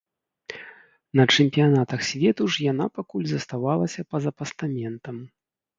На чэмпіянатах свету ж яна пакуль заставалася па-за пастаментам.